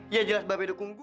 ya jelas babe dukung gue